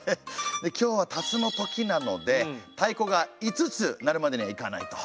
で今日は「辰のとき」なので太鼓が五つ鳴るまでには行かないと。